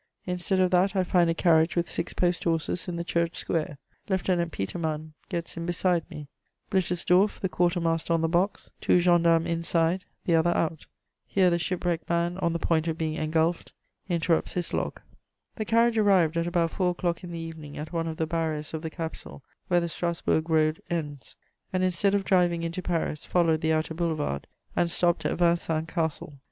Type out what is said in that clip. Instead of that, I find a carriage with six post horses in the Church Square. Lieutenant Petermann gets in beside me, Blitersdorff the quarter master on the box, two gendarmes inside, the other out." Here the ship wrecked man, on the point of being engulfed, interrupts his log. The carriage arrived at about four o'clock in the evening at one of the barriers of the capital, where the Strasburg road ends, and instead of driving into Paris, followed the outer boulevard and stopped at Vincennes Castle.